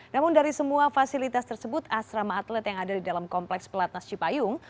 namun dari semua fasilitas tersebut asrama atlet yang ada di dalam kompleks pelatnas cipayung